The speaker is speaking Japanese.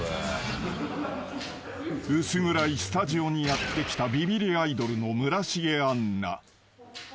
［薄暗いスタジオにやって来たビビりアイドルの］